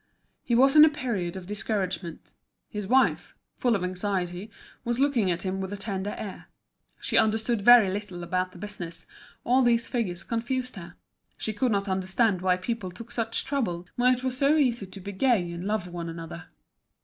He was in a period of discouragement. His wife, full of anxiety, was looking at him with a tender air. She understood very little about the business, all these figures confused her; she could not understand why people took such trouble, when it was so easy to be gay and love one another.